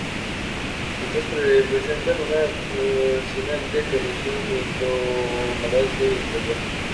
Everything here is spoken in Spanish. Estas representan una fascinante combinación Indo-Malasia y Australiana.